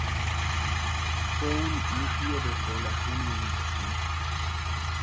Fue un núcleo de población muy importante.